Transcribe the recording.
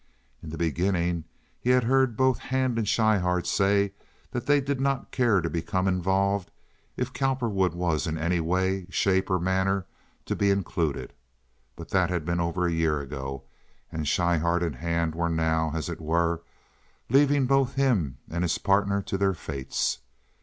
In the beginning he had heard both Hand and Schryhart say that they did not care to become involved if Cowperwood was in any way, shape, or manner to be included, but that had been over a year ago, and Schryhart and Hand were now, as it were, leaving both him and his partner to their fates.